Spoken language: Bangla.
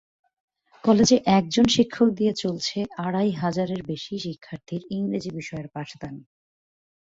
কলেজে একজন শিক্ষক দিয়ে চলছে আড়াই হাজারের বেশি শিক্ষার্থীর ইংরেজি বিষয়ের পাঠদান।